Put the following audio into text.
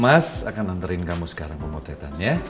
mas akan nganterin kamu sekarang ke pemotretan ya